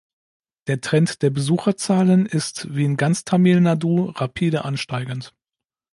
Der Trend der Besucherzahlen ist, wie in ganz Tamil Nadu, rapide ansteigend.